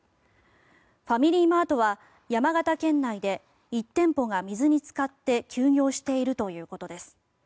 ファミリーマートは山形県内で１店舗が水につかって休業しているということです。